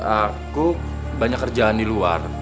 aku banyak kerjaan di luar